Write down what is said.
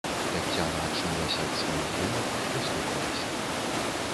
Таццяна ачнулася ад сваіх думак, прыслухалася.